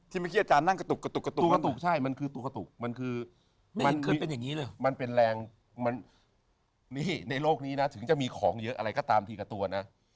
ที่เมื่อกี้อาจารย์นั่งกระตุกใช่มันคือตุกมันเป็นแรงในโลกนี้ถึงจะมีของเยอะอะไรก็ตามทีกับตัวนะ